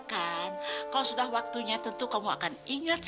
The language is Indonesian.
kaki candy cantik banget